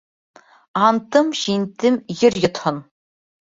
Антым-шинтем, ер йотһон!